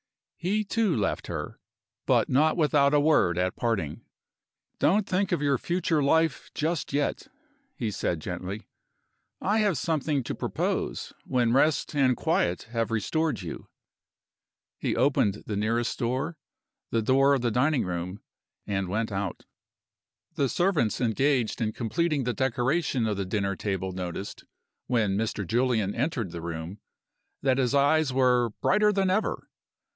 He, too, left her but not without a word at parting. "Don't think of your future life just yet," he said, gently. "I have something to propose when rest and quiet have restored you." He opened the nearest door the door of the dining room and went out. The servants engaged in completing the decoration of the dinner table noticed, when "Mr. Julian" entered the room, that his eyes were "brighter than ever."